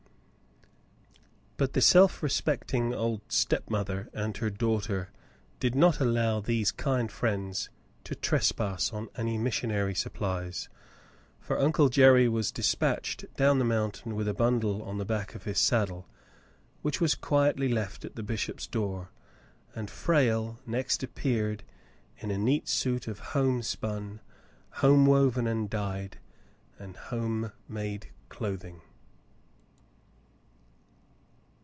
But the self respecting old stepmother and her daughter did not allow these kind friends to trespass on any mis sionary supplies, for Uncle Jerry was despatched down the mountain with a bundle on the back of his saddle, which was quietly left at the bishop's door ; and Frale next ap peared in a neat suit of homespun, home woven and dyed, and home made clothing.